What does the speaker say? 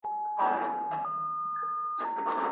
د بولندویي او پر مختللي حالتونو اهمیت باید وپېژندل سي.